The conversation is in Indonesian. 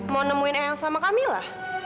mau nemuin el sama kamila